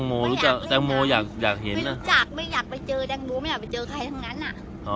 แต่ไม่รู้จักแดงโมไม่อยากไปเจอใคร